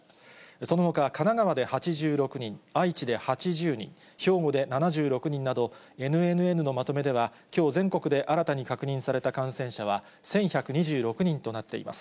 そのほか、神奈川で８６人、愛知で８０人、兵庫で７６人など、ＮＮＮのまとめでは、きょう全国で新たに確認された感染者は、１１２６人となっています。